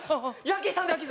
ヤンキーさんです